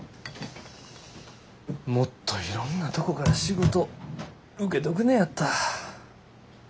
もっといろんなとこから仕事受けとくねやった。